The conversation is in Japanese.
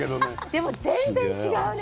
でも全然違うね。